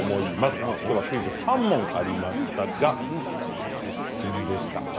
きょうはクイズ３問ありましたが接戦でした。